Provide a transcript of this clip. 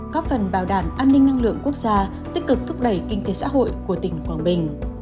góp phần bảo đảm an ninh năng lượng quốc gia tích cực thúc đẩy kinh tế xã hội của tỉnh quảng bình